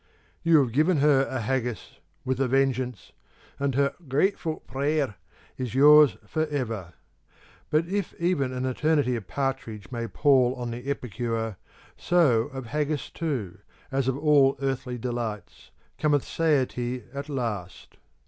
You have given her a Haggis, with a vengeance, and her 'gratefu' prayer' is yours for ever. But if even an eternity of partridge may pall on the epicure, so of Haggis too, as of all earthly delights, cometh satiety at last.